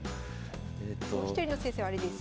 もう一人の先生はあれです。